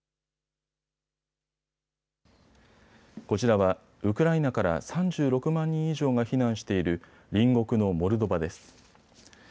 こちらはウクライナから３６万人以上が避難している隣国のモルドバです。